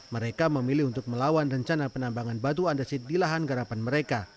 mereka memilih untuk melawan rencana penambangan batu andesit di lahan garapan mereka